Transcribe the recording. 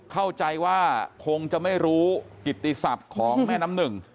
เข้าใจว่าคงจะไม่รู้กิติศัพท์ของแม่น้ำหนึ่ง